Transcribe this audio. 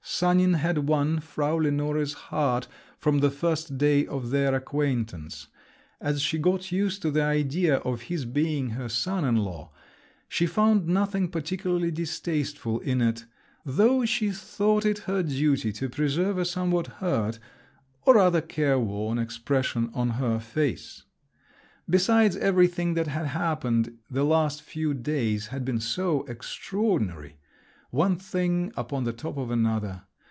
Sanin had won Frau Lenore's heart from the first day of their acquaintance; as she got used to the idea of his being her son in law, she found nothing particularly distasteful in it, though she thought it her duty to preserve a somewhat hurt, or rather careworn, expression on her face. Besides, everything that had happened the last few days had been so extraordinary…. One thing upon the top of another.